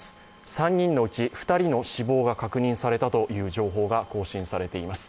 ３人のうち２人の死亡が確認されたという情報が更新されています。